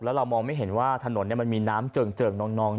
แล้วเรามองไม่เห็นว่าถนนมันมีน้ำเจิงนอง